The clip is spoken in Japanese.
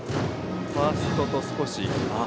ファーストと少し。